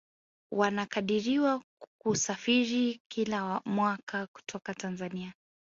Wanakadiriwa kusafiri kila mwaka kutoka Tanzania